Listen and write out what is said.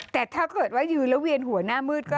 แต่ถ้าเกิดว่ายืนแล้วเวียนหัวหน้ามืดก็